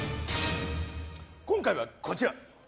今回はこちら。